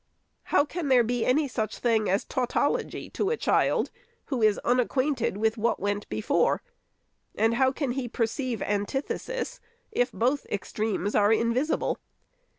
How can there be any such thing as tautol ogy to a child, who is unacquainted with what went be fore ; or how can he perceive antithesis if both extremes are invisible